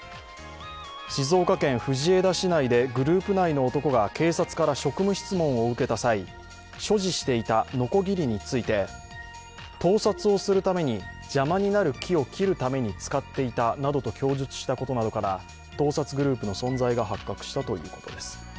静岡県藤枝市内でグループ内の男が警察から職務質問を受けた際、所持していたのこぎりについて、盗撮をするために邪魔になる木を切るために使っていたなどと供述したことなどから、盗撮グループの存在が発覚したということです。